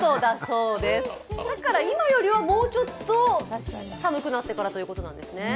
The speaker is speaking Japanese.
今よりはもうちょっと寒くなってからということなんですね。